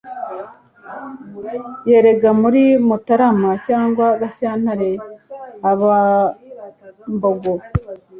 yeraga muri mutarama cyangwa gashyantare. abambogo